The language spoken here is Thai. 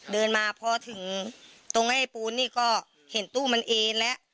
เดินมาพอถึงตรงไอ้ปูนนี่ก็เห็นตู้มันเอ็นแล้ว